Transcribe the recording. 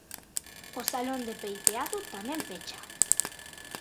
O salón de peiteado tamén pecha.